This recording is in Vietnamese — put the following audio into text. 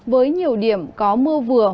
với nhiều điểm có mưa vừa